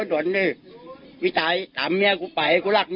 แต่ตอนนั้นพี่มียานิ่งไปแล้วใช่ไหม